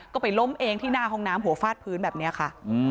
ก็ไปล้มเองที่หน้าห้องน้ำหัวฟาดพื้นแบบนี้ค่ะ